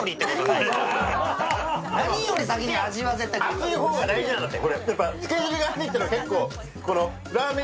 熱い方が大事なんだって。